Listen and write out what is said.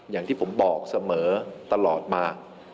อย่างที่ผมบอกเสมอตลอดมา